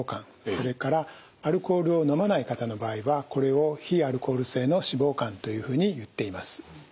それからアルコールを飲まない方の場合はこれを非アルコール性の脂肪肝というふうに言っています。